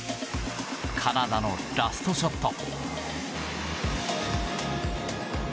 カナダのラストショット。